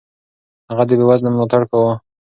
هغه د بېوزلو ملاتړ کاوه.